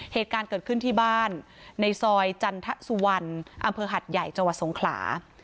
เหตุการณ์เกิดขึ้นที่บ้านในซอยจันทสุวรรณอำเภอหัดใหญ่จังหวัดสงขลา